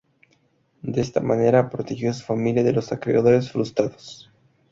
De esta manera, protegió a su familia de los acreedores frustrados.